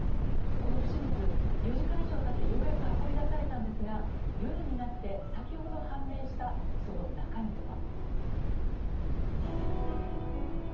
この不審物、４時間以上経ってようやく運び出されたんですが夜になって先ほど判明したその中身とは。